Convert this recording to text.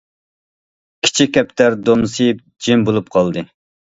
كىچىك كەپتەر دومسىيىپ جىم بولۇپ قالدى.